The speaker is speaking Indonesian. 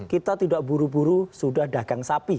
kita tidak buru buru sudah dagang sapi